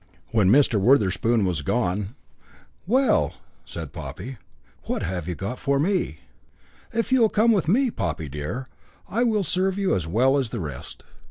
When Mr. Wotherspoon was gone "Well," said Poppy, "what have you got for me?" "If you will come with me, Poppy dear, I will serve you as well as the rest."